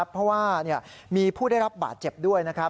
เพราะว่ามีผู้ได้รับบาดเจ็บด้วยนะครับ